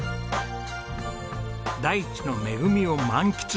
大地の恵みを満喫！